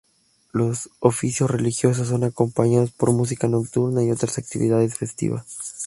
Los oficios religiosos, son acompañados por música nocturna y otras actividades festivas.